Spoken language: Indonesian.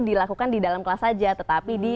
dilakukan di dalam kelas saja tetapi di